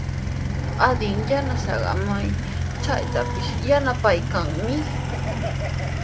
Adin yanasaaqa may chaytrawpis yanapaykamanmi.